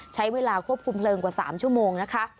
ใช้เวลาควบคุมเลิงกว่า๓ชั่วโมงนะคะ